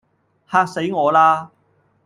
嚇死我啦